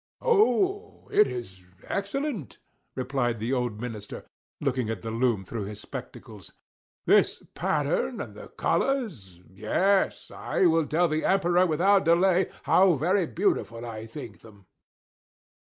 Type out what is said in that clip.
"Oh, it is excellent!" replied the old minister, looking at the loom through his spectacles. "This pattern, and the colors, yes, I will tell the Emperor without delay, how very beautiful I think them."